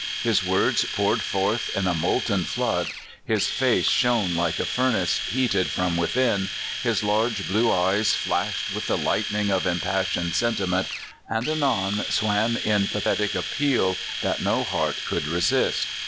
His words poured forth in a molten flood, his face shone like a furnace heat ed from within, his large blue eyes flashed with the lightning of impassioned sentiment, and anon swam in pathetic appeal that no heart could resist.